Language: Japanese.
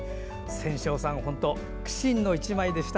仙翔さん、本当に苦心の１枚でした。